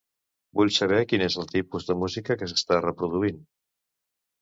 Vull saber quin és el tipus de música que s'està reproduint.